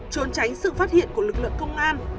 trốn tránh sự phát hiện của lực lượng công an